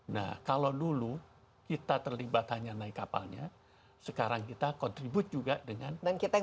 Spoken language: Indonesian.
nah kalau dulu kita terlibat hanya naik kapalnya sekarang kita kontribusi juga dengan pasukan